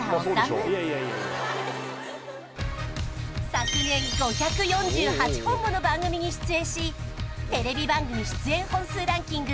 昨年５４８本もの番組に出演しテレビ番組出演本数ランキング